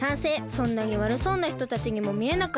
そんなにわるそうなひとたちにもみえなかったし。